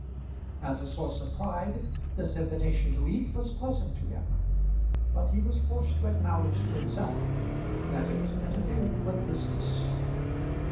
As a source of pride this invitation to eat was pleasant to him, but he was forced to acknowledge to himself that it interfered with business.